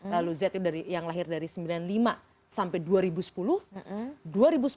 lalu z yang lahir dari sembilan puluh lima sampai dua ribu sepuluh